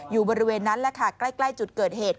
อยู่บริเวณนั้นใกล้จุดเกิดเหตุ